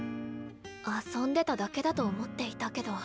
遊んでただけだと思っていたけど。